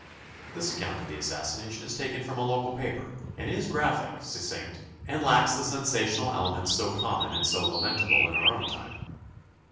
This account of the assassination is taken from a local paper and is graphic, succinct and lacks the sensational elements so common and so lamentable in our own time.